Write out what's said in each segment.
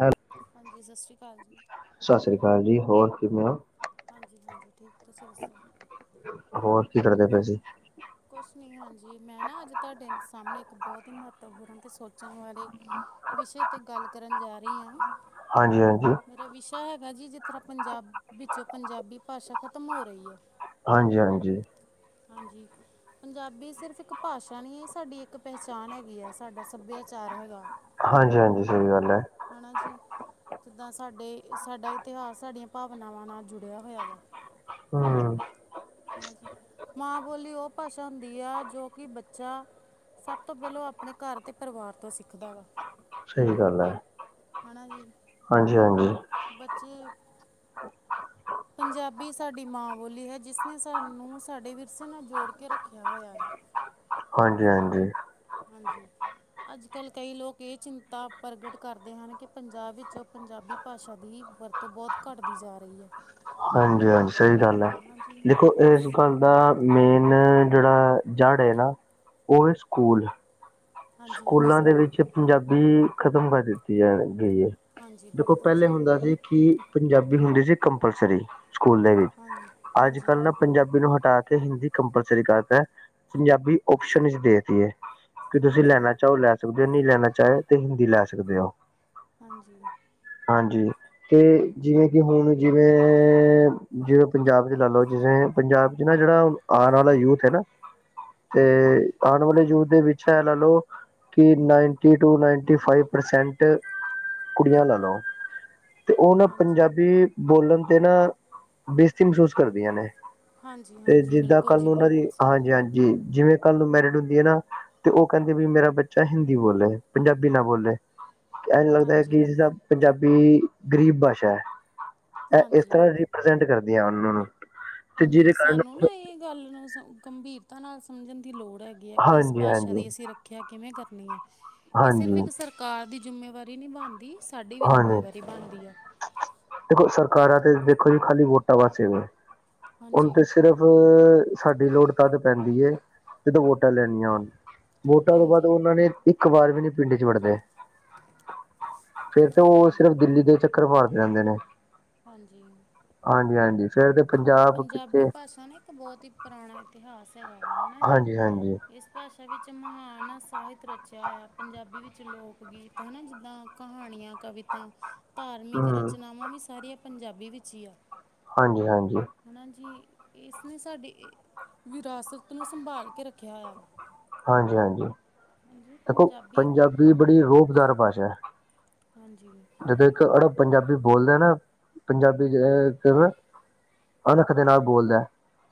Hello ਹਾਂਜੀ ਸਤਿ ਸ਼੍ਰੀ ਅਕਾਲ ਜੀ। ਸਤਿ ਸ੍ਰੀ ਅਕਾਲ ਜੀ ਹੋਰ ਕਿਵੇਂ ਹੋ- ਹਾਂਜੀ ਹਾਂਜੀ ਠੀਕ ਤੁਸੀਂ ਦੱਸੋ- ਹੋਰ ਕੀ ਕਰਦੇ ਪਏ ਜ ਕੁਛ ਨੀ ਹਾਂਜੀ ਮੈਂ ਨਾ ਅੱਜ ਤੁਹਾਡੇ ਸਾਹਮਣੇ ਇੱਕ ਬਹੁਤ ਹੀ ਮਹੱਤਵਪੂਰਨ ਤੇ ਸੋਚਣ ਵਾਲੇ- ਵਿਸ਼ੇ 'ਤੇ ਗੱਲ ਕਰਨ ਜਾ ਰਹੀ ਹਾਂ। ਹਾਂਜੀ ਹਾਂਜੀ ਮੇਰਾ ਵਿਸ਼ਾ ਹੈਗਾ ਜੀ ਜਿਸ ਤਰ੍ਹਾਂ ਪੰਜਾਬ ਵਿੱਚੋਂ ਪੰਜਾਬੀ ਭਾਸ਼ਾ ਖਤਮ ਹੋ ਰਹੀ ਹੈ। ਹਾਂਜੀ ਹਾਂਜੀ ਹਾਂਜੀ ਪੰਜਾਬੀ ਸਿਰਫ਼ ਇੱਕ ਭਾਸ਼ਾ ਨਹੀਂੀ ਹੈ ਸਾਡੀ ਇੱਕ ਪਹਿਚਾਣ ਹੈਗੀ ਆ ਸਾਡਾ ਸੱਭਿਆਚਾਰ ਹੈਗਾ। ਹਾਂਜੀ ਹਾਂਜੀ ਸਹੀ ਗੱਲ ਹੈ ਹੈ ਨਾ ਜੀ, ਜਿੱਦਾਂ ਸਾਡੇ ਸਾਡਾ ਇਤਿਹਾਸ ਸਾਡੀਆਂ ਭਾਵਨਾਵਾਂ ਨਾਲ ਜੁੜਿਆ ਹੋਇਆ ਵਾ ਹਮ ਮਾਂ ਬੋਲੀ ਉਹ ਭਾਸ਼ਾ ਹੁੰਦੀ ਆ ਜੋ ਕਿ ਬੱਚਾ ਸਭ ਤੋਂ ਪਹਿਲਾਂ ਆਪਣੇ ਘਰ ਤੇ ਪਰਿਵਾਰ ਤੋਂ ਸਿੱਖਦਾ ਵਾ ਸਹੀ ਗੱਲ ਹੈ ਹਨਾ ਜੀ ਹਾਂਜੀ ਹਾਂਜੀ ਬੱਚੇ, ਪੰਜਾਬੀ ਸਾਡੀ ਮਾਂ ਬੋਲੀ ਹੈ ਜਿਸ ਉਸਨੇ ਸਾਨੂੰ ਸਾਡੇ ਵਿਰਸੇ ਨਾਲ ਜੋੜ ਕੇ ਰੱਖਿਆ ਹੋਇਆ ਹੈ ਹਾਂਜੀ ਹਾਂਜੀ ਹਾਂਜੀ ਅੱਜ ਕੱਲ੍ਹ ਕਈ ਲੋਕ ਇਹ ਚਿੰਤਾ ਪ੍ਰਗਟ ਕਰਦੇ ਹਨ ਕਿ ਪੰਜਾਬ ਵਿੱਚ ਉਹ ਪੰਜਾਬੀ ਭਾਸ਼ਾ ਦੀ ਵਰਤੋਂ ਬਹੁਤ ਘੱਟਦੀ ਜਾ ਰਹੀ ਹੈ ਹਾਂਜੀ ਹਾਂਜੀ ਸਹੀ ਗੱਲ ਹੈ ਹਨਾ ਜੀ ਦੇਖੋ ਇਸ ਗੱਲ ਦਾ ਮੇਨ ਜਿਹੜਾ ਜੜ ਹੈ ਨਾ, ਉਹ ਹੈ ਸਕੂਲ ਹਾਂਜੀ ਹਾਂਜੀ ਸਕੂਲਾਂ ਦੇ ਸਕੂਲ ਵਿੱਚ ਪੰਜਾਬੀ ਖਤਮ ਕਰ ਦਿੱਤੀ ਗਈ ਹੈ। ਹਾਂਜੀ ਦੇਖੋ ਬਿਲਕੁਲ ਪਹਿਲੇ ਜੀ ਹੁੰਦਾ ਸੀ ਕਿ ਪੰਜਾਬੀ ਹੁੰਦੀ ਸੀ ਕੰਪਲਸਰੀ- ਸਕੂਲ ਦੇ ਵਿੱਚ, ਹਾਂਜੀ ਅੱਜ ਹਾਂਜੀ ਕੱਲ੍ਹ ਨਾ ਪੰਜਾਬੀ ਨੂੰ ਹਟਾ ਕੇ ਹਿੰਦੀ ਕੰਪਲਸਰੀ ਕਰਤਾ। ਪੰਜਾਬੀ ਓਪਸ਼ਨ ਵਿੱਚ ਦੇਤੀਏ- ਵੀ ਤੁਸੀਂ ਹਾਂਜੀ ਲੈਣਾ ਚਾਹੋ ਲੈ ਸਕਦੇ ਹੋ ਨਹੀਂ ਲੈਣਾ ਚਾਹੋ ਤੇ ਹਿੰਦੀ ਲੈ ਸਕਦੇ ਹੋ। ਹਾਂਜੀ ਹਾਂਜੀ ਕਿ ਜਿਵੇਂ ਕਿ ਹੁਣ ਜਿਵੇਂ ਜਿਵੇਂ ਪੰਜਾਬ ' ਲਾ ਲਓ ਜਿਵੇਂ ਪੰਜਾਬ 'ਚ ਨਾ ਜਿਹੜਾ- ਆਉਣ ਵਾਲਾ ਯੂਥ ਹੈ ਨਾ ਤੇ ਆਉਣ ਵਾਲੇ ਯੂਥ ਦੇ ਵਿੱਚ ਛ ਲ ਲ ਕਿ ninety to ninety five percent ਕੁੜੀਆਂ ਲੈ ਲਓ ਤੇ ਉਹ ਨਾ ਹਾਂਜੀ ਪੰਜਾਬੀ ਬੋਲਣ ਤੇ ਨਾ ਬੇਸਤੀ ਮਹਿਸੂਸ ਕਰਦੀਆਂ ਨੇ। ਹਾਂਜੀ ਤੇ ਹਾਂਜੀ ਜਿੱਦਾਂ ਬਿਲਕੁਲ ਕੱਲ ਜੀ ਨੂੰ ਉਹਨਾਂ ਦੀ ਬਿਲਕੁਲ ਸਹੀ ਗੱਲ ਤੁਹਾਡੀ ਹਾਂਜੀ-ਹਾਂਜੀ ਜਿਵੇਂ ਕੱਲ ਨੂੰ ਮੈਰਿਡ ਹੁੰਦੀ ਹੈ ਨਾ ਤੇ ਉਹ ਕਹਿੰਦੇ ਵੀ ਮੇਰਾ ਬੱਚਾ ਹਿੰਦੀ ਬੋਲੇ ਪੰਜਾਬੀ ਨਾ ਬੋਲੇ। ਐਨਜ ਲੱਗਦਾ ਹੈ ਹਾਂਜੀ ਕਿ ਜਿਹਦਾ ਪੰਜਾਬੀ ਗਰੀਬ ਭਾਸ਼ਾ ਹੈ ਇਹ ਇਸ ਹਾਂਜੀ ਤਰ੍ਹਾਂ ਪ੍ਰਜੈਂਟ ਕਰਦੀ ਆ ਉਹਨਾਂ ਨੂੰ। ਤੇ ਹਾਂਜੀ, ਜਿਹਦੇ ਕਾਰਨ ਸਾਨੂੰ ਨਾ ਇਹ ਗੱਲ ਨੂੰ ਗੰਭੀਰਤਾ ਨਾਲ ਸਮਝਣ ਦੀ ਲੋੜ ਹੈ। ਕਿ ਇਸ ਹਾਂਜੀ ਭਾਸ਼ਾ ਹਾਂਜੀ ਦੀ ਅਸੀਂ ਰੱਖ ਆਖਿਆ ਕਿਵੇਂ ਕਰਨੀ ਹੈ ਇਹ ਸਿਰਫ਼ ਹਾਂਜੀ ਇੱਕ ਸਰਕਾਰ ਦੀ ਜਿੰਮੇਵਾਰੀ ਨਹੀਂ ਬਣਦੀ। ਸਾਡੀ ਵੀ ਹਾਂਜੀ ਜ਼ਿੰਮੇਵਾਰੀ ਬਣਦੀ ਆ। ਦੇਖੋ ਸਰਕਾਰਾਂ ਤੇ ਦੇਖੋ ਜੀ ਖਾਲੀ ਵੋਟਾਂ ਵਸਤੇ ਹੈ ਉਹਨੂੰ ਹਾਂਜੀ ਤੇ ਸਿਰਫ ਹੋ ਸਾਡੀ ਲੋੜ ਤਦ ਪੈਂਦੀ ਜਦੋਂ ਵੋਟਾਂ ਲੈਣੀਆਂ ਹੋਣ। ਵੋਟਾਂ ਤੋਂ ਬਾਅਦ ਹਾਂਜੀ ਉਹਨਾਂ ਨੇ ਇੱਕ ਵਾਰ ਵੀ ਨਹੀਂ ਪਿੰਡ ਚ ਵੜਦੇ। ਫੇਰ ਤਾਂ ਉਹ ਹਾਂਜੀ ਸਿਰਫ ਦਿੱਲੀ ਦੇ ਚੱਕਰ ਮਾਰਦੇ ਜਾਂਦੇ ਨੇ। ਹਾਂਜੀ। ਹਾਂਜੀ-ਹਾਂਜੀ ਫੇਰ ਤੇ ਪੰਜਾਬ ਪੰਜਾਬੀ ਕਿੱਥੇ ਭਾਸ਼ਾ ਨਾ ਇੱਕ ਬਹੁਤ ਹੀ ਪੁਰਾਣਾ ਇਤਿਹਾਸ ਹੈਗਾ ਵਾ ਹੈਨਾ ਜੀ ਹਾਂਜੀ ਹਾਂਜੀ ਇਸ ਭਾਸ਼ਾ ਵਿੱਚ ਮਹਾਨ ਸਾਹਿਤ ਰਚਿਆ ਹੋਇਆ ਪੰਜਾਬੀ ਵਿੱਚ ਲੋਕ ਗੀਤ ਹੈ ਨਾ ਜਿੱਦਾਂ ਕਹਾਣੀਆਂ ਕਵਿਤਾ, ਧਾਰਮਿਕ ਹਮ ਰਚਨਾਵਾਂ ਵੀ ਸਾਰੀਆਂ ਪੰਜਾਬੀ ਵਿੱਚ ਹੀ ਆ ਹਾਂਜੀ-ਹਾਂਜੀ। ਹੁਣ ਜੀ ਇਸ ਨੇ ਸਾਡੇ ਵਿਰਾਸਤ ਨੂੰ ਸੰਭਾਲ ਕੇ ਰੱਖਿਆ ਹੋਇਆ ਵਾ। ਹਾਂਜੀ-ਹਾਂਜੀ, ਦੇਖੋ ਪੰਜਾਬੀ ਬੜੀ ਰੋਬਦਾਰ ਭਾਸ਼ਾ ਹੈ। ਹਾਂਜੀ। ਜਦੋਂ ਇੱਕ ਅੜ ਪੰਜਾਬੀ ਬੋਲਦੇ ਨਾ ਪੰਜਾਬੀ ਤੇ ਨਾ ਅਣਖ ਦੇ ਨਾਲ ਬੋਲਦਾ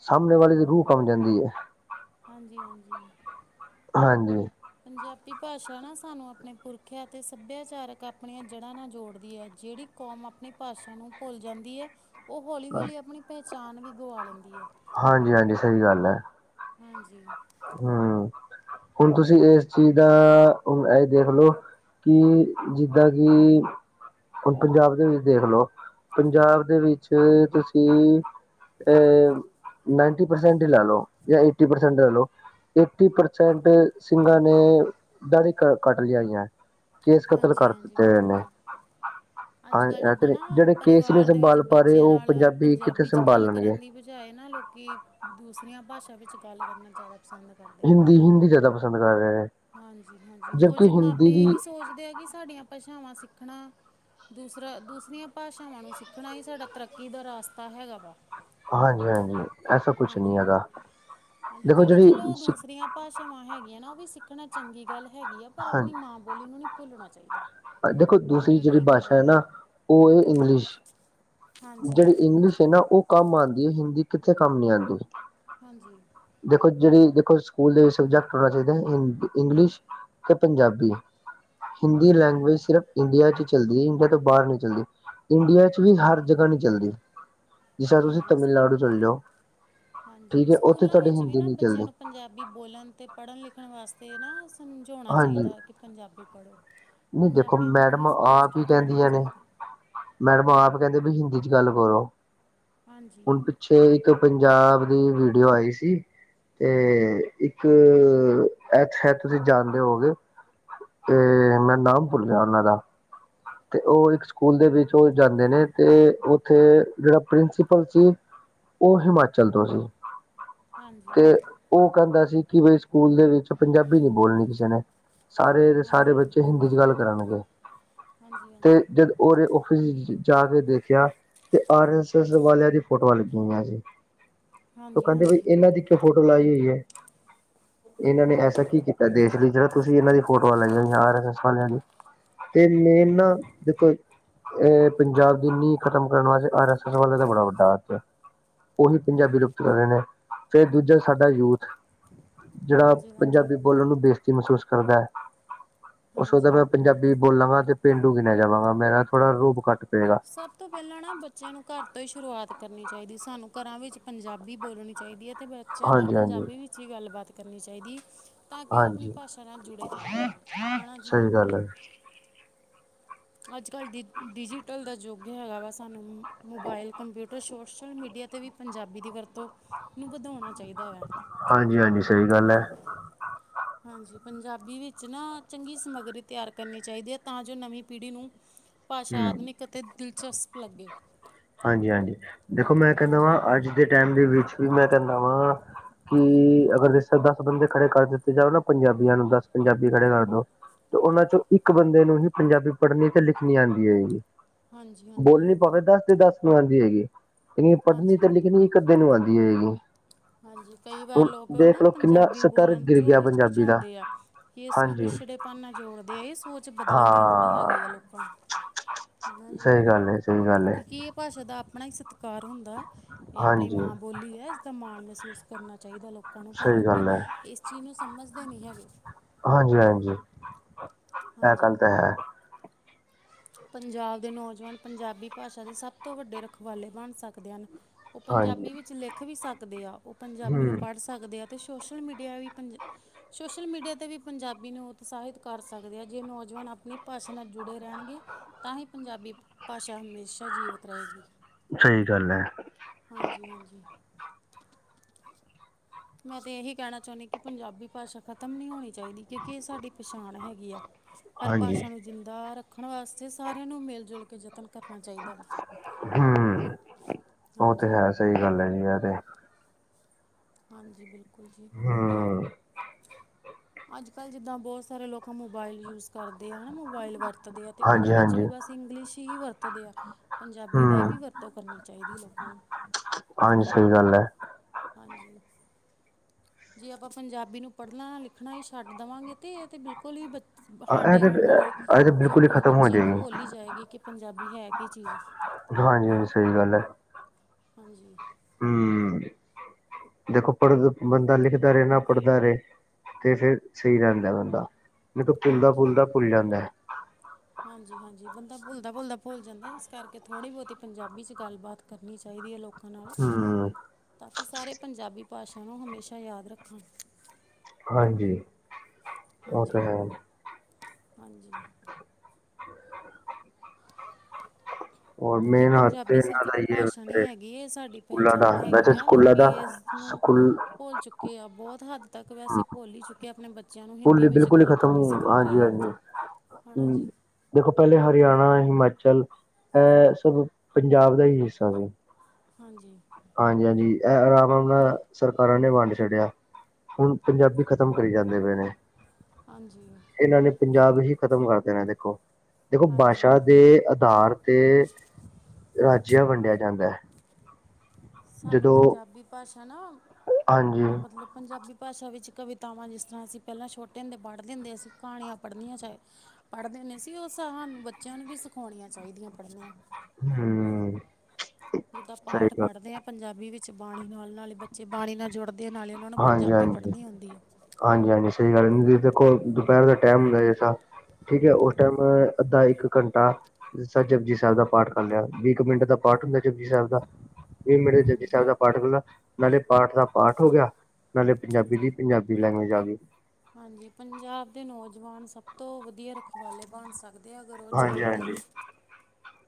ਸਾਮਣੇ ਵਾਲੇ ਦੀ ਰੂਹ ਕੰਮ ਜਾਂਦੀ ਹੈ। ਹਾਂਜੀ-ਹਾਂਜੀ। ਹਾਂਜੀ ਪੰਜਾਬੀ ਭਾਸ਼ਾ ਨਾ ਸਾਨੂੰ ਆਪਣੇ ਪੁਰਖਿਆ ਅਤੇ ਸੱਭਿਆਚਾਰਕ, ਆਪਣੀਆਂ ਜੜ੍ਹਾਂ ਨਾਲ ਜੋੜਦੀ ਹੈ ਜਿਹੜੀ ਕੌਮ ਆਪਣੀ ਭਾਸ਼ਾ ਨੂੰ ਭੁੱਲ ਜਾਂਦੀ ਹੈ, ਉਹ ਹੌਲੀ-ਹੌਲੀ ਆਪਣੀ ਪਹਿਚਾਣ ਵੀ ਗੁਆ ਲੈਂਦੀ ਹੈ। ਹਾਂਜੀ-ਹਾਂਜੀ, ਸਹੀ ਗੱਲ ਹੈ। ਹਾਂਜੀ। ਹੂੰ, ਹੁਣ ਤੁਸੀਂ ਇਸ ਚੀਜ਼ ਦਾ ਇਹ ਦੇਖ ਲਓ ਕਿ ਜਿੱਦਾਂ ਕਿ ਹੁਣ ਪੰਜਾਬ ਦੇ ਵਿੱਚ ਦੇਖ ਲਓ ਪੰਜਾਬ ਦੇ ਵਿੱਚ ਤੁਸੀਂ ਏ ਨਾਈਨਟੀ ਪਰਸੈਂਟ ਹੀ ਲਾ ਲਓ ਜਾਂ ਏਟੀ ਪਰਸੈਂਟ ਲਾ ਲਾਲੋ। ਏਟੀ ਪਰਸੈਂਟ ਸਿੰਘਾਂ ਨੇ ਦਾੜੀ ਕੱਟ ਲਿਆਈ ਹੈ। ਕੇਸ ਕਤਲ ਕਰ ਦਿੱਤੇ ਇਨੇ। [unintelligible] ਅੱਜ-ਕੱਲ੍ਹ ਜਿੱਦਾਂ ਨਾ ਕੇਸ ਨਹੀਂ ਪਰਿਵਾਰ ਦੇ ਵਿੱਚ ਸੰਭਾਲ ਪਾ ਰਹੇ ਬੱਚਿਆਂ ਉਹ ਨਾਲ ਕਿੱਥੇ ਪੰਜਾਬੀ ਚ ਗੱਲ ਸੰਭਾਲਣਗੇ ਕਰਨ ਦੀ ਜਾਏ ਨਾ ਲੋਕੀ ਦੂਸਰੀਆਂ ਭਾਸ਼ਾ ਵਿੱਚ ਗੱਲ ਕਰਨਾ ਜ਼ਿਆਦਾ ਪਸੰਦ ਹਿੰਦੀ-ਹਿੰਦੀ ਜ਼ਿਆਦਾ ਪਸੰਦ ਕਰ ਰਹੇ। ਹਾਂਜੀ-ਹਾਂਜੀ, ਜਬਕਿ ਕੁੱਝ ਹਿੰਦੀ ਮਾਪੇ ਦੀ ਇਹੀ ਸੋਚਦੇ ਆ ਕਿ ਸਾਡੀਆਂ ਭਾਸ਼ਾਵਾਂ ਸਿੱਖਣਾ। ਦੂਸਰਾ-ਦੂਸਰੀਆਂ ਭਾਸ਼ਾਵਾਂ ਨੂੰ ਸਿੱਖਣਾ ਹੀ ਸਾਡਾ ਤਰੱਕੀ ਦਾ ਰਸਤਾ ਹੈਗਾ ਵਾ। ਹਾਂਜੀ ਹਾਂਜੀ ਐਸਾ ਕੁਛ ਨਹੀਂ ਹੈਗਾ ਹਾਂਜੀ-ਹਾਂਜੀ, ਜਿਹੜੀ ਚਲੋ ਦੂਸਰੀਆਂ ਭਾਸ਼ਾਵਾਂ ਹੈਗੀਆਂ ਨਾ ਉਹ ਵੀ ਸਿੱਖਣਾ ਚੰਗੀ ਗੱਲ ਹੈਗੀ ਆ ਪਰ ਆਪਣੀ ਹਾਂਜੀ ਮਾਂ ਬੋਲੀ ਨੂੰ ਨਹੀਂ ਭੁੱਲਣਾ ਚਾਹੀਦਾ, ਦੇਖੋ ਉਹ ਦੂਸਰੀ ਨਹੀਂ ਜਿਹੜੀ ਠੀਕ ਭਾਸ਼ਾ ਹੈਗਾ। ਹੈ ਨਾ ਉਹ ਏ ਇੰਗਲਿਸ਼। ਹਾਂਜੀ ਜਿਹੜੀ ਇੰਗਲਿਸ਼ ਹੈ ਨਾ ਉਹ ਕੰਮ ਆਉਂਦੀ ਹੈ ਹਿੰਦੀ ਕਿੱਥੇ ਕੰਮ ਨੀ ਆਉਂਦੀ। ਹਾਂਜੀ। ਦੇਖੋ ਜਿਹੜੀ ਦੇਖੋ ਸਕੂਲ ਦੇ ਸਬਜੈਕਟ ਹੋਣਾ ਚਾਹੀਦਾ ਇੰਗਲਿਸ਼ ਤੇ ਪੰਜਾਬੀ। ਹਿੰਦੀ ਹਾਂਜੀ ਲੈਂਗੁਏਜ ਸਿਰਫ ਇੰਡੀਆ ਚ ਚੱਲਦੀ ਏ ਬੱਟ ਬਾਰ ਨੀ ਚੱਲਦੀ, ਇੰਡੀਆ ਚ ਵੀ ਹਰ ਹਾਂਜੀ ਜਗ੍ਹਾ ਨੀ ਚੱਲਦੀ, ਜਿਸ ਤਰਾ ਤੂਸੀ ਹਾਂਜੀ ਤਾਮਿਲਨਾਡੂ ਚਲੇ ਜਾਓ। ਹਾਂਜੀ, ਠੀਕ ਹੈ ਉੱਥੇ ਸੂਕੂਲਾਂ ਤੁਹਾਡੀ ਵਿੱਚ ਵੀ ਹਿੰਦੀ ਨਾ ਨਹੀਂ ਬੱਚੇਆਂ ਚੱਲਦੀ ਨੂੰ ਪੰਜਾ ਬੀ ਬੋਲਨ ਤੇ ਪਢਨ-ਲਿਖਣ ਵਾਸਤੇ ਨਾ ਸਮਝੌਣਾ ਚਾਈਦਾ ਕਿ ਪੰਜਾਬੀ ਪੜੋ। ਨੀ ਦੇਖੋ ਮੈਡਮ ਆਪ ਈ ਕੈੰਦੀਆਂ ਨੇ ਚਾਹੀਦੇ ਮੈਡਮਾ ਆਪ ਕੈਂਦੀਆ ਬਈ ਹਿੰਦੀ ਚ ਗਾੱਲ ਕਰੋ। ਹਾਂਜੀ ਹੁਨ ਪਿੱਛੇ ਇੱਕ ਪੰਜਾਬ ਦੀ ਵੀਡੀਓ ਆਈ ਸੀ ਤੇ ਇੱਕ ਏਥ ਹੈਥ ਤੂਸੀ ਜਾਨਦੇ ਹੋਓਗੇ। ਤੇ ਮੈਂ ਨਾਮ ਭੁੱਲ ਗੇਆ ਓਨਾਂ ਦਾ ਤੇ ਓ ਇੱਕ ਸੂਕੂਲ ਦੇ ਵਿੱਚ ਓ ਜਾਂਦੇ ਨੇ ਤੇ ਓ ਉਥੇ ਜੇੜਾ ਪ੍ਰਿੰਸੀਪਲ ਸੀ ਓ ਹਿਮਾਚਲ ਤੋਂ ਸੀ। ਹਾਂਜੀ ਤੇ ਓ ਕੈਂਦਾ ਸੀ ਕਿ ਬਈ ਸੂਕੂਲ ਦੇ ਵਿੱਚ ਪੰਜਾਬੀ ਨੀ ਬੋਲਨੀ ਕਿਸੀ ਨੇ। ਸਾਰੇ, ਸਾਰੇ ਹਾਂਜੀ ਬੱਚੇ ਹਿੰਦੀ ਚ ਗਾੱਲ ਕਰਨਗੇ। ਹਾਂਜੀ ਹਾਂਜੀ ਤੇ ਜਦ ਓਦੇ ਔਫਿਸ ਇਚ ਜਾ ਕੇ ਦੇਖੇਆ। ਤੇ ਆਰ-ਐਸ-ਐਸ ਵਾਲੇਆਂ ਦੀ ਫੋਟੋਆਂ ਲੱਗੀਆ ਹੋਈਆਂ ਸੀ। ਓ ਹਾਂਜੀ ਕੈਂਦੇ ਬਈ ਹਾਂਜੀ ਏਨਾਂ ਦੀ ਕਿਂਉ ਫੋਟੋ ਲਾਈ ਹੋਈ ਐ? ਏਨਾਂ ਨੇ ਐਸਾ ਕੀ ਕੀਤੈ ਦੇਸ਼ ਵਿੱਚ ਤੁਸੀਂ ਏਨਾਂ ਦੀ ਫੋਟੋਆਂ ਲਾਈਆਂ ਹੋਈਆਂ ਆਰ-ਐਸ-ਐਸ ਵਾਲੇਆਂ ਦੀ, ਤੇ ਮੇਨ ਨਾ ਦੇਖੋ ਏਹ ਪੰਜਾਬ ਦੀ ਨੀਂਹ ਖਤਮ ਕਰਨ ਵਾਸਤੇ ਆਰ-ਐਸ-ਐਸ ਵਾਲੇਆਂ ਦਾ ਬੜਾ ਵੱਡਾ ਹੱਥ ਐ। ਓਹੀ ਪੰਜਾਬੀ ਲੁਪਤ ਕਰ ਰੇ ਨੇ, ਫੇਰ ਦੂੱਜਾ ਸਾਡਾ ਯੂਥ ਜੇੜਾ ਹਾਂਜੀ ਹਾਂਜੀ ਪੰਜਾਬੀ ਬੋਲਨ ਨੂੰ ਬੇਸਤੀ ਮੈਹਸੂਸ ਕਰਦੈ। ਓ ਸੋਚਦੈ ਹਾਂਜੀ ਮੈਂ ਪੰਜਾਬੀ ਬੋਲਾਂਗਾ ਤੇ ਪੇਂਡੂ ਗਿਨੇਆ ਜਾਵਾਂਗਾ, ਮੇਰਾ ਥੋੜਾ ਰੋਬ ਘਾੱਟ ਪਏਗਾ। ਸਬ ਤੋਂ ਪੈਹਲਾਂ ਨਾ ਬੱਚੇਆਂ ਨੂੰ ਘਾਰ ਤੋਂ ਈ ਸ਼ੁਰੂਆਤ ਕਰਨੀ ਚਾਈਦੀ, ਸਾਨੂੰ ਘਰਾਂ ਵਿੱਚ ਪੰਜਾਬੀ ਬੋਲਣੀ ਚਾਈਦੀ ਐ। ਤੇ ਬੱਚੇਆਂ ਨਾਲ ਹਾਂਜੀ ਹਾਂਜੀ ਪੰਜਾਬੀ ਵਿੱਚ ਈ ਗਾੱਲਬਾਤ ਕਰਨੀ ਚਾਈਦੀ। ਤਾਂ ਕਿ ਓ ਅਪਣੀ ਹਾਂਜੀ ਭਾਸ਼ਾ ਨਾਲ ਜੁੜੇ ਰੈਣ, ਹੈਣਾ ਜੀ। ਸਹੀ ਗੱਲ ਐ। ਅੱਜ-ਕੱਲ ਡਿਜ, ਡਿਜੀਟਲ ਦਾ ਯੁੱਗ ਹੈਗਾ ਵਾ ਸਾਨੂੰ। ਮੋਬਾਇਲ, ਕੰਪਿਊਟਰ, ਸੋਸ਼ਲ ਮੀਡੀਆ ਤੇ ਵੀ ਪੰਜਾਬੀ ਦੀ ਵਰਤੋਂ ਨੂੰ ਵਧਾਉਣਾ ਚਾਈਦਾ ਹੇਗੈ। ਹਾਂਜੀ, ਹਾਂਜੀ ਸਈ ਗਾੱਲ ਐ। ਹਾਂਜੀ, ਪੰਜਾਬੀ ਵਿੱਚ ਨਾ ਚੰਗੀ ਸਮੱਗਰੀ ਤੇਆਰ ਕਰਨੀ ਚਾਈਦੀ ਏ, ਤਾਂ ਜੋ ਨਵੀਂ ਪੀੜੀ ਨੂੰ ਭਾਸ਼ਾ ਹਮ ਆਦੁਨਿਕ ਅਤੇ ਦਿਲਚਸਪ ਲੱਗੇ। ਹਾਂਜੀ, ਹਾਂਜੀ ਦੇਖੋ ਮੈਂ ਕੈਂਦਾ ਹਾਂਜੀ ਵਾ, ਅੱਜ ਦੇ ਟਾਈਮ ਦੇ ਵਿੱਚ ਵੀ ਮੈਂ ਕੈਂਦਾ ਵਾਂ ਕਿ ਅਗਰ ਜਿੱਸੇ ਦਾੱਸ ਬੰਦੇ ਖੜੇ ਕਰ ਦਿੱਤੇ ਜਾਓ ਨਾ ਪੰਜਾਬੀਆਂ ਨੂੰ, ਦਾੱਸ ਪੰਜਾਬੀ ਖੜੇ ਕਰ ਦੋ ਤੇ ਓਨਾਂ ਚੋਂ ਇੱਕ ਬੰਦੇ ਨੂੰ ਹੀ ਪੰਜਾਬੀ ਪੜਨੀ ਤੇ ਲਿੱਖਨੀ ਆਂਦੀ ਹੋਏਗੀ। ਹਾਂਜੀ ਹਾਂਜੀ ਬੋਲਨੀ ਭਾਵੇਂ ਦਾੱਸ ਤੇ ਦਾੱਸ ਨੂੰ ਆਂਦੀ ਹੋਏਗੀ ਲੇਕਿਨ ਪੜਨੀ ਹਾਂਜੀ ਤੇ ਲਿੱਖਨੀ ਇੱਕ ਅੱਧੇ ਨੂੰ ਆਂਦੀ ਹੋਏਗੀ। ਹਾਂਜੀ, ਕਈ ਵਾਰ ਲੋਕ ਨਾ ਕਿੰਨਾ ਪੰਜਾਬੀ ਸਤਰ ਬੋਲਨ ਗਿਰ ਚੋਂ ਗਿਆ ਪੰਜਾਬੀ ਦਾ ਹਿਚਕਿਚਾਉਂਦੇ ਐ। ਕੇ ਇਸ ਨੂੰ ਹਾਂਜੀ ਬਿਛੜੇਪਨਾ ਜੋੜਦੇ, ਏ ਸੋਚ ਬਦਲਨ ਦੀ ਲੋੜ ਹੈਗੀ ਐ ਹਾਂ ਲੋਕਾਂ ਨੂੰ। ਗਲ ਸਹੀ ਗੱਲ ਹੈ ਸਹੀ ਗੱਲ ਹੈ ਕਿਉਂਕਿ ਭਾਸ਼ਾ ਦਾ ਆਪਣਾ ਹੀ ਸੱਤਕਾਰ ਹੁੰਦੈ, ਏ ਅਪਣੀ ਹਾਂਜੀ ਮਾਂ ਬੋਲੀ ਐ। ਤਾਂ ਮਾਣ ਮੈਹਸੂਸ ਕਰਨਾ ਚਾਈਦਾ ਲੋਕਾਂ ਨੂੰ, ਪਰ ਸਹੀ ਲੋਕੀ ਗੱਲ ਹੈ ਏਸ ਚੀਜ ਨੂੰ ਸਮਝਦੇ ਨੀ ਹੈਗੇ। ਹਾਂਜੀ, ਹਾਂਜੀ ਐ ਹਾਂਜੀ ਗਾੱਲ ਤਾ ਹੈ। ਪੰਜਾਬ ਦੇ ਨੌਜਵਾਨ ਪੰਜਾਬੀ ਭਾਸ਼ਾ ਦੇ ਸਬ ਤੋਂ ਵੱਡੇ ਰਖਵਾਲੇ ਬਨ ਸਕਦੇ ਹਨ। ਓ ਹਾਂਜੀ ਪੰਜਾਬੀ ਵਿੱਚ ਲੇੱਖ ਵੀ ਸਕਦੇ ਆ, ਓ ਪੰਜਾਬੀ ਨੂੰ ਹਮ ਪਢ ਸ ਸਕਦੇ ਆ ਤੇ ਸੋ਼ਸ਼ਲ ਮੀਡੀਆ ਵੀ ਪੰਜਾ ਸੋਸ਼ਲ ਮੀਡੀਆ ਤੇ ਵੀ ਪੰਜਾਬੀ ਨੂੰ ਉਤਸ਼ਾਹਿਤ ਕਰ ਸਕਦੇ ਆ, ਜੇ ਨੌਜਵਾਨ ਆਪਨੀ ਭਾਸ਼ਾ ਨਾਲ ਜੁੜੇ ਰੈਣਗੇ, ਤਾਂ ਹੀ ਪੰਜਾਬੀ ਭਾਸ਼ਾ ਹਮੇਸ਼ਾ ਜੀਵਿਤ ਰਏਗੀ। ਸਈ ਗੱਲ ਐ। ਹਾਂਜੀ, ਹਾਂਜੀ। ਮੈਂ ਤੇ ਏਹੀ ਕੈਣਾ ਚੌਨੀ ਕਿ ਪੰਜਾਬੀ ਭਾਸ਼ਾ ਖ਼ਤਮ ਨੀ ਹੋਣੀ ਚਾਈਦੀ। ਕਿਉਂਕਿ ਇਹ ਸਾਡੀ ਪਛਾਣ ਹੈਗੀ ਆ ਪਰ ਹਾਂਜੀ ਭਾਸ਼ਾ ਨੂੰ ਜ਼ਿੰਦਾ ਰੱਖਣ ਵਾਸਤੇ ਸਾਰਿਆਂ ਨੂੰ ਮਿਲ ਜੁਲ ਕੇ ਯਤਨ ਕਰਨਾ ਚਾਹੀਦਾ ਹਮ ਉਹ ਤੇ ਹਾਂਜੀ। ਹੈ ਸਹੀ ਗੱਲ ਹੈ ਜੀ ਐ ਤੇ। ਹਾਂਜੀ ਬਿਲਕੁਲ ਜੀ। ਹੂੰ। ਅੱਜ ਕੱਲ੍ਹ ਜਿੱਦਾਂ ਬਹੁਤ ਸਾਰੇ ਲੋਕਾਂ ਮੋਬਾਇਲ ਯੂਜ ਕਰਦੇ ਆ ਹੈ ਨਾ ਮੋਬਾਇਲ ਵਰ ਵਰਤਦੇ ਆ ਤੇ ਉਹਦੇ ਹਾਂਜੀ ਵਿੱਚ ਹਾਂਜੀ ਵੀ ਬਸ ਇੰਗਲਿਸ਼ ਹੀ ਵਰਤਦੇ ਆ। ਪੰਜਾਬੀ ਦਾ ਹੀ ਹਮ ਵੀ ਵਰਤੋਂ ਕਰਨੀ ਚਾਹੀਦੀ ਲੋਕਾਂ ਨੂੰ। ਹਾਂਜੀ ਸਹੀ ਗੱਲ ਐ। ਹਾਂਜੀ। ਜੇ ਆਪਾਂ ਪੰਜਾਬੀ ਨੂੰ ਪੜ੍ਹਨਾ ਲਿਖਣਾ ਈ ਛੱਡ ਦੇਵਾਂਗੇ ਤਾਂ ਇਹ ਤਾਂ ਬਿਲਕੁਲ ਹੀ ਬ ਇਹ ਸਾਡੇ ਤੇ ਆਣ ਵਾਲੇ ਇਹ ਤੇ ਬਿਲਕੁਲ ਯੁੱਗ ਹੀ ਨੂੰ ਖ਼ਤਮ ਹੋ ਬੱਚਿਆਂ ਨੂੰ ਜਾਏਗੀ ਭੁੱਲ ਹੀ ਜਾਏਗੀ, ਕਿ ਪੰਜਾਬੀ ਹੈ ਕੀ ਚੀਜ਼। ਹਾਂਜੀ ਹਾਂਜੀ, ਸਹੀ ਗੱਲ ਐ। ਹਾਂਜੀ। ਹੂੰ, ਦੇਖੋ ਪੜ ਬੰਦਾ ਲਿਖਦਾ ਰਿਹੇ ਨਾ, ਪੜ੍ਹਦਾ ਰਹੇ ਤੇ ਫੇਰ ਸਹੀ ਰਹਿੰਦਾ ਬੰਦਾ, ਨਈ ਤੋਂ ਭੁੱਲਦਾ ਹਾਂਜੀ ਭੁੱਲਦਾ ਭੁੱਲ ਜਾਂਦਾ ਐ। ਹਾਂਜੀ ਹਾਂਜੀ, ਬੰਦਾ ਭੁੱਲਦਾ ਭੁੱਲਦਾ ਭੁੱਲ ਜਾਂਦਾ, ਇਸ ਕਰਕੇ ਥੋੜ੍ਹੀ ਬਹੁਤੀ ਪੰਜਾਬੀ 'ਚ ਗੱਲਬਾਤ ਕਰਨੀ ਚਾਹੀਦੀ ਐ, ਲੋਕ ਕਾ ਨਾਲ ਹਮ ਤਾਂ ਕੇ ਸਾਰੇ ਪੰਜਾਬੀ ਭਾਸ਼ਾ ਨੂੰ ਹਮੇਸ਼ਾ ਯਾਦ ਰੱਖਣ। ਹਾਂਜੀ, ਉਹ ਤਾਂ ਹਾਂਜੀ ਹੈ। ਹਾਂਜੀ। ਔਰ ਇਹ ਮੇਨ ਹੱਥ ਤੇ ਪੰਜਾਬੀ ਇਹਨਾਂ ਸਿਰਫ਼ ਇੱਕ ਦਾ ਹੀ ਹੈ ਭਾਸ਼ਾ ਨਹੀਂ ਹੈਗੀ, ਇਹ ਸਾਡੀ ਸਕੂਲਾਂ ਦਾ ਪਹਿਚਾਣ ਹੈਗੀ ਵੈਸੇ ਆ, ਸਕੂਲਾਂ ਲੋਕ ਦਾ ਇਸ ਨੂੰ ਸਕੂਲ ਭੁੱਲ ਚੁੱਕੇ ਆ ਬਹੁਤ ਹੱਦ ਤੱਕ ਵੈਸੇ ਭੋਲੀ ਹੀ ਚੁੱਕੇ ਆਪਣੇ ਬੱਚਿਆਂ ਨੂੰ ਹਿੰਦੀ ਸਕੂਲ ਵਿੱਚ ਬਿਲਕੁਲ ਹੀ ਗੱਲ ਖਤਮ ਕਰਨੀ ਸਿਖਾ ਹਾਂਜੀ ਰਹੇ ਆ। ਹਾਂਜੀ ਹਣਾ ਹਮ ਜੀ। ਦੇਖੋ ਪਹਿਲੇ ਹਰਿਆਣਾ, ਹਿਮਾਚਲ ਇਹ ਸਭ ਪੰਜਾਬ ਦਾ ਹੀ ਹਿੱਸਾ ਸੀ। ਹਾਂਜੀ। ਹਾਂਜੀ, ਹਾਂਜੀ। ਇਹ ਆਰਾਮ ਆਮ ਨਾਲ ਸਰਕਾਰਾਂ ਨੇ ਵੰਡ ਛੱਡਿਆ। ਹੁਣ ਪੰਜਾਬੀ ਖਤਮ ਕਰੀ ਜਾਂਦੇ ਪਏ ਨੇ ਹਾਂਜੀ ਇਹਨਾਂ ਨੇ ਪੰਜਾਬ ਹੀ ਖ਼ਤਮ ਕਰਦੇ ਨੇ ਦੇਖੋ ਦੇਖੋ ਹਾਂਜੀ ਭਾਸ਼ਾ ਦੇ ਆਧਾਰ ਤੇ ਰਾਜਿਆਂ ਵੰਡਿਆ ਜਾਂਦਾ। ਸਾਨੂੰ ਜਦੋਂ ਪੰਜਾਬੀ ਭਾਸ਼ਾ ਨਾ ਹਾਂਜੀ ਮਤਲਬ ਪੰਜਾਬੀ ਭਾਸ਼ਾ ਵਿੱਚ ਕਵਿਤਾਵਾਂ ਜਿਸ ਤਰ੍ਹਾਂ ਅਸੀਂ ਪਹਿਲਾਂ ਛੋਟੇ ਹੁੰਦੇ ਪੜ੍ਹਦੇ ਹੁੰਦੇ ਅਸੀਂ ਕਹਾਣੀਆਂ ਪੜ੍ਹਨੀਆਂ ਚਾਹੇ ਪੜ੍ਹਦੇ ਨੇ ਸੀ ਉਹ ਸ ਸਾਨੂੰ ਬੱਚਿਆਂ ਨੂੰ ਵੀ ਸਿਖਾਉਣੀਆਂ ਚਾਹੀਦੀਆਂ ਪੜ੍ਹਨੀਆਂ। ਹੂੰ। ਜਿੱਦਾਂ ਪਾਠ ਪੜ੍ਹਦੇ ਆ ਪੰਜਾਬੀ ਵਿੱਚ ਬਾਣੀ ਨਾਲ ਨਾਲ ਹੀ ਬੱਚੇ ਬਾਣੀ ਨਾਲ ਜੁੜ ਪੜ੍ਹ ਦੇ ਨਾਲ ਹੀ ਉਹਨਾਂ ਨੂੰ ਹਾਂਜੀ ਪੰਜਾਬੀ ਹਾਂਜੀ ਪੜ੍ਹਨੀ ਆਂਦੀ ਆ। ਹਾਂਜੀ ਹਾਂਜੀ, ਸਹੀ ਗੱਲ ਐ, ਦੇਖੋ ਦੁਪਹਿਰ ਦਾ ਟਾਈਮ ਹੁੰਦਾ ਜੈਸਾ। ਠੀਕ ਐ, ਉਸ ਟਾਈਮ ਅੱਧਾ ਇੱਕ ਘੰਟਾ ਜਿਸ ਤਰ੍ਹਾਂ ਜਪੁਜੀ ਸਾਹਿਬ ਦਾ ਪਾਠ ਕਰ ਲਿਆ, ਵੀਹ ਕਾ ਮਿੰਟ ਦਾ ਪਾਠ ਹੁੰਦਾ ਜਪੁਜੀ ਸਾਹਿਬ ਦਾ। ਵੀਹ ਮਿੰਟ ਦਾ ਜਪੁਜੀ ਹਾਂਜੀ ਸਾਹਿਬ ਦਾ ਪਾਠ ਕਰ ਲਿਆ ਨਾਲੇ ਪਾਠ ਦਾ ਪਾਠ ਹੋ ਗਿਆ, ਨਾਲੇ ਪੰਜਾਬੀ ਲਈ ਪੰਜਾਬੀ ਲੈਂਗਏਜ ਆ ਗਈ ਹਾਂਜੀ, ਪੰਜਾਬ ਦੇ ਨੌਜਵਾਨ ਸਭ ਤੋਂ ਵਧੀਆ ਰੱਖਵਾਲੇ ਬਣ ਸਕ ਦੇ ਆ, ਅਗਰ ਉਹ ਹਾਂਜੀ ਚਾਹੋਣ ਤੇ। ਹਾਂਜੀ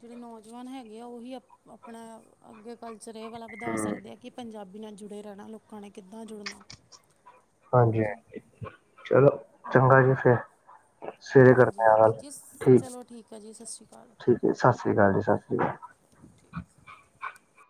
ਜਿਹੜੇ ਨੌਜਵਾਨ ਹੈਗੇ ਆ, ਉਹੀ ਆਪਣਾ ਅੱਗੇ ਕਲਚਰ ਇਹ ਵਾਲਾ ਵਧਾ ਹਮ ਸਕਦੇ ਆ, ਕਿ ਪੰਜਾਬੀ ਨਾਲ ਜੁੜੇ ਰਹਿਣਾ, ਲੋਕਾਂ ਨੇ ਕਿੱਦਾਂ ਜੁੜਨਾ। ਨਾ ਹਾਂਜੀ ਜੀ ਹਜੀ, ਚਲੋਂ ਚੰਗਾ ਜੀ ਫੇ ਹਾਂਜੀ ਹਾਂਜੀ ਜਿਸ, ਚਲੋਂ ਠੀਕ ਐ ਜੀ, ਸਤਿ ਸ਼੍ਰੀ ਅਕਾਲ। ਠੀਕ ਸਤਿ ਸ਼੍ਰੀ ਅਕਾਲ ਜੀ ਸਤਿ ਸ਼੍ਰੀ ਅਕਾਲ।